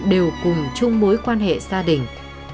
đều cùng chung mối quan hệ gia đình